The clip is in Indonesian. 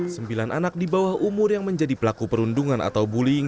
sembilan anak di bawah umur yang menjadi pelaku perundungan atau bullying